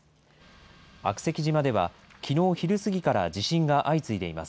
悪石島では、きのう昼過ぎから地震が相次いでいます。